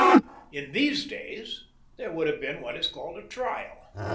In these days there would be what is called a trial.